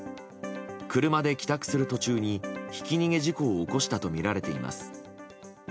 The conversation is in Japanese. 車で帰宅する途中にひき逃げ事故を起こしたとみられています。